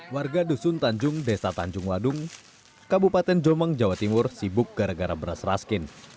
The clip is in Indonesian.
warga dusun tanjung desa tanjung wadung kabupaten jombang jawa timur sibuk gara gara beras raskin